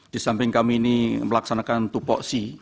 di samping kami ini melaksanakan tupoksi